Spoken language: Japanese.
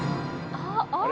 「あれ？